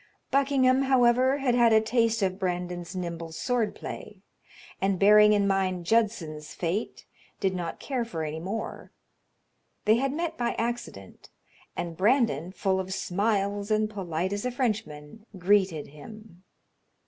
Buckingham, however, had had a taste of Brandon's nimble sword play, and, bearing in mind Judson's fate, did not care for any more. They had met by accident, and Brandon, full of smiles and as polite as a Frenchman, greeted him.